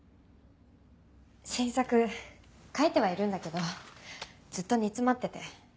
新作描いてはいるんだけどずっと煮詰まってて。